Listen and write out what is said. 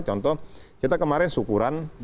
contoh kita kemarin syukuran